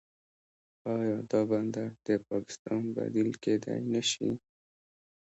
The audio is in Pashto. آیا دا بندر د پاکستان بدیل کیدی نشي؟